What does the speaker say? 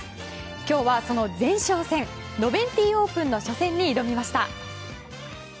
今日はその前哨戦ノベンティ・オープンの初戦に挑みました。